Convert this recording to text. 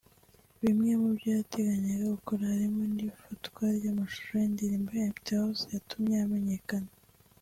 Bimwe mubyo yateganyaga gukora harimo n’ifatwa ry’amashusho y’indirimbo’ Empty House’yatumye amenyekana